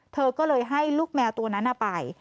เธอก็เลยให้ลูกแมวตัวนั้นไป